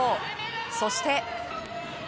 そして。